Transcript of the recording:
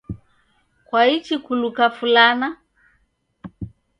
Kwaichi kuluka fulana?